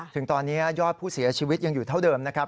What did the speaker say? ถึงตอนนี้ยอดผู้เสียชีวิตยังอยู่เท่าเดิมนะครับ